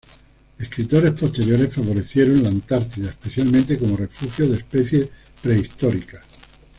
Escritores posteriores favorecieron la Antártida, especialmente como refugio de especies prehistóricas.